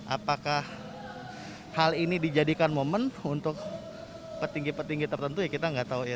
apakah hal ini dijadikan momen untuk petinggi petinggi tertentu ya kita nggak tahu ya